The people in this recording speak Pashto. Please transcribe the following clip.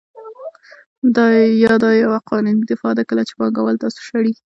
یا دا یوه قانوني دفاع ده کله چې پانګوال تاسو شړي